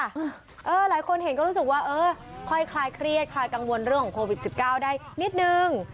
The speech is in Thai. หลายคนเห็นก็รู้สึกว่าเออค่อยคลายเครียดคลายกังวลเรื่องของโควิด๑๙ได้นิดนึง